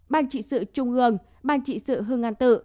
ban trị sự trung ương ban trị sự hương an tự